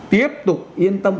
tiếp tục yên tâm